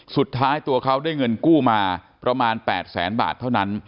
สุดท้ายตัวเขาได้เงินกู้มาประมาณ๘แสนบาทเท่านั้น